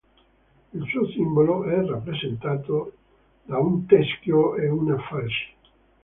Il suo simbolo è rappresentato da un teschio e una falce.